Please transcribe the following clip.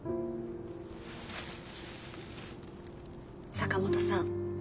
坂本さん